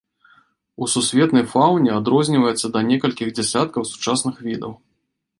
У сусветнай фаўне адрозніваецца да некалькіх дзясяткаў сучасных відаў.